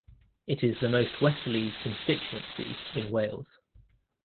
It is the most westerly constituency in Wales.